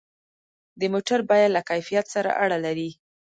د موټر بیه له کیفیت سره اړه لري.